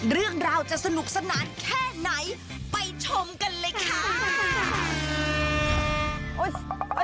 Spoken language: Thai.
เรื่องราวจะสนุกสนานแค่ไหนไปชมกันเลยค่ะ